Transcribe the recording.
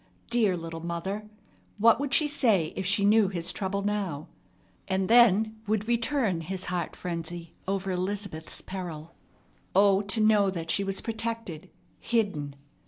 Dear little mother! What would she say if she knew his trouble now? And then would return his heart frenzy over Elizabeth's peril. O to know that she was protected, hidden!